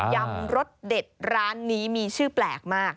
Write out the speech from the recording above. ยำรสเด็ดร้านนี้มีชื่อแปลกมาก